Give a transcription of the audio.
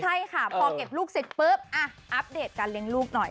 ใช่ค่ะพอเก็บลูกเสร็จปุ๊บอัปเดตการเลี้ยงลูกหน่อย